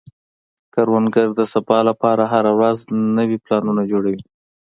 کروندګر د سبا لپاره هره ورځ نوي پلانونه جوړوي